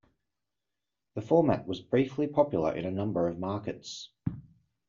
The format was briefly popular in a number of markets.